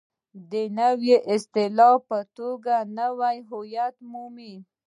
د نوې اصطلاح په توګه نوی هویت مومي.